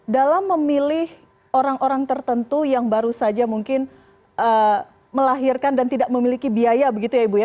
dalam memilih orang orang tertentu yang baru saja mungkin melahirkan dan tidak memiliki biaya begitu ya ibu ya